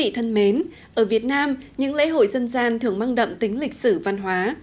trong việt nam những lễ hội dân gian thường mang đậm tính lịch sử văn hóa